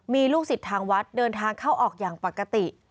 มีลูกศิษย์ทางวัดเดินทางเข้าออกอย่างปกติ